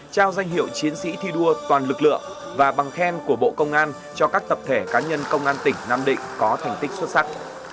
trao danh hiệu chiến sĩ thi đua toàn lực lượng và bằng khen của bộ công an cho các tập thể cá nhân công an tỉnh nam định có thành tích xuất sắc